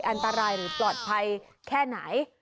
อันตรายหรือปลอดภัยแค่ไหน